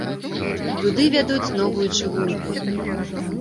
Туды вядуць новую чыгунку.